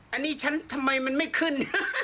อันนี้ฉันทำไมมันไม่ขึ้น